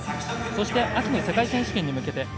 そして秋の世界選手権に向けて。